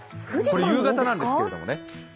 夕方なんですけれども。